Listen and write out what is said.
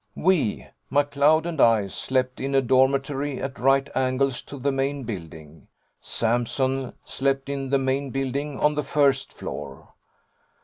'We McLeod and I slept in a dormitory at right angles to the main building. Sampson slept in the main building on the first floor.